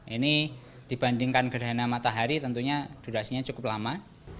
ini dibandingkan gerhana matahari tentunya durasinya cukup lama